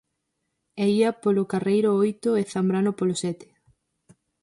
El ía polo carreiro oito e Zambrano polo sete.